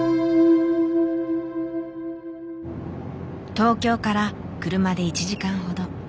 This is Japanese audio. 東京から車で１時間ほど。